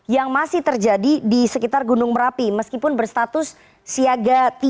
yang masih terjadi di sekitar gunung merapi meskipun berstatus siaga tiga